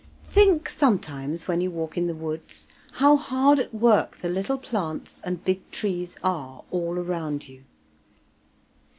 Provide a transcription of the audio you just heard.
Think sometimes when you walk in the woods, how hard at work the little plants and big trees are, all around you.